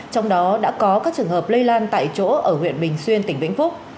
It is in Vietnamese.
trong đó đã có các trường hợp lây lan tại chỗ ở huyện bình xuyên tỉnh vĩnh phúc